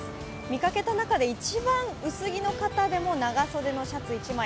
見かけた中で一番薄着の方でも長袖のシャツ１枚。